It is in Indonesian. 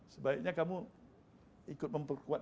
sebaiknya kamu ikut memperkuat